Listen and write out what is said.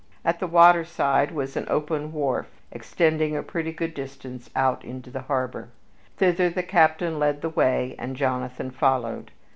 At the waterside was an open wharf extending a pretty good distance out into the harbor. Thither the captain led the way and Jonathan followed.